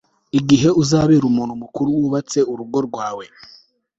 igihe uzabera umuntu mukuru wubatse urugo rwawe